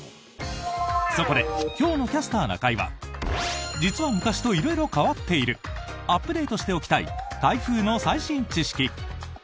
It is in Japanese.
そこで今日の「キャスターな会」は実は昔と色々変わっているアップデートしておきたい台風の最新知識。